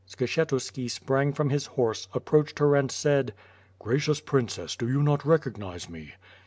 Skshetuski sprang from his horse, approached her and said: "Gracious princess, do you not recognize me?